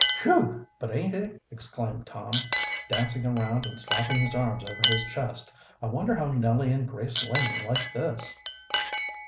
"Phew! but aint it cold!" exclaimed Tom, dancing around and slapping his arms over his chest. "I wonder how Nellie and Grace Laning like this?"